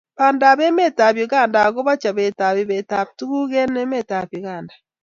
Banda eng emetab Uganda kobo chopetab ibetap tuguk eng emetab Uganda